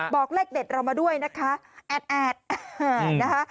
บอกเลขเด็ดเรามาด้วยนะคะแอดนะคะ